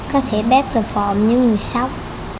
có thể bếp từ phòng những người sốc